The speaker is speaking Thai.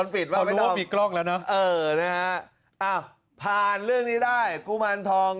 เพราะหรือว่ามีกล้องแล้วนะเออผ่านเรื่องนี้ได้กุมารทอง